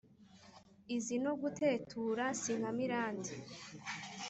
izi no gutetura, si nkamirande: